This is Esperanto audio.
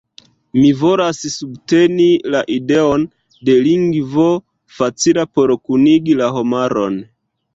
Mi volas subteni la ideon de lingvo facila por kunigi la homaron.